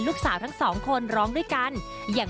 ลูกสาวทั้งสองคนร้องด้วยกันอย่าง